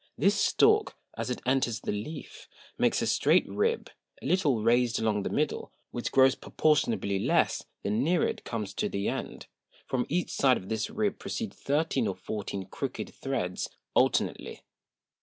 This Stalk, as it enters the Leaf, makes a strait Rib, a little raised along the Middle, which grows proportionably less the nearer it comes to the End. From each side of this Rib proceed thirteen or fourteen crooked Threads alternately.